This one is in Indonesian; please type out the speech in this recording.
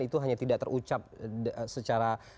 itu hanya tidak terucap secara